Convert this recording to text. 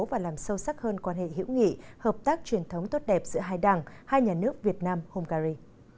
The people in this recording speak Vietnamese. và làm sâu sắc hơn quan hệ hữu nghị hợp tác truyền thống tốt đẹp giữa hai đảng hai nhà nước việt nam hungary